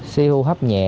si hưu hấp nhẹ